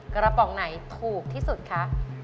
กระป๋องไหนถูกที่สุดคะ